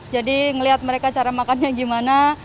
jadi ngelihat mereka cara makannya gimana